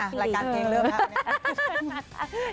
อ่ะรายการเกงเริ่มครับ